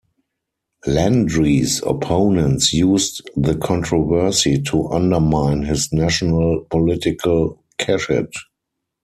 Landry's opponents used the controversy to undermine his national political cachet.